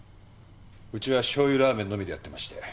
うちはしょう油ラーメンのみでやってまして。